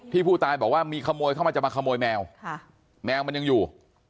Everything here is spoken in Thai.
ผู้ตายบอกว่ามีขโมยเข้ามาจะมาขโมยแมวแมวมันยังอยู่